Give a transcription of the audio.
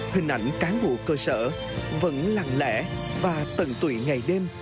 hình ảnh cán bộ cơ sở vẫn lặng lẽ và tận tụy ngày đêm